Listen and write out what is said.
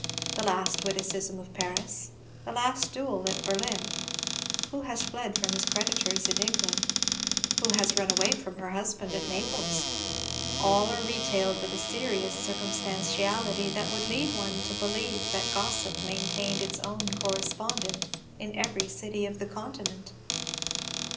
The last witticism of Paris, the last duel at Berlin, who has fled from his creditors in England, who has run away from her husband at Naples, all are retailed with a serious circumstantiality that would lead one to believe that gossip maintained its "own correspondent" in every city of the Continent.